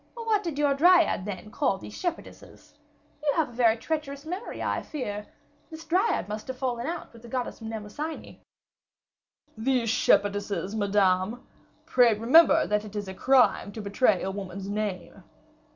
"What did your Dryad, then, call these shepherdesses? You have a very treacherous memory, I fear. This Dryad must have fallen out with the goddess Mnemosyne." "These shepherdesses, Madame? Pray remember that it is a crime to betray a woman's name."